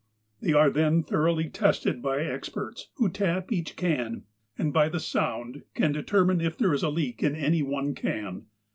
Ihey are then thoroughly tested by experts, who tap each can, and by the sound can determine if there is a leak in any one can.